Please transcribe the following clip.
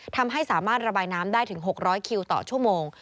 ทำให้สามารถระบายน้ำได้ถึง๖๐๐คิวต่อชั่วโมง